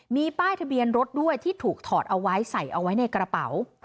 มีป้ายทะเบียนรถด้วยที่ถูกถอดเอาไว้ใส่เอาไว้ในกระเป๋า